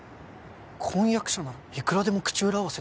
婚約者ならいくらでも口裏合わせできるだろ。